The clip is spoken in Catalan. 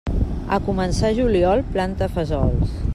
A començar juliol, planta fesols.